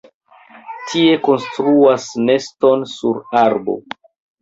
Tie konstruas neston sur arbo.